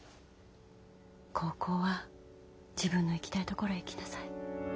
高校は自分の行きたい所へ行きなさい。